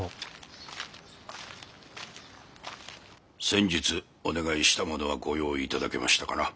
先日お願いしたものはご用意頂けましたかな？